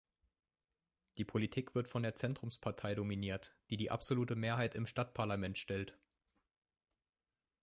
Die Politik wird von der Zentrumspartei dominiert, die die absolute Mehrheit im Stadtparlament stellt.